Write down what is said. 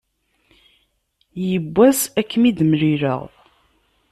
Yiwen was ad akem-id-mlileɣ.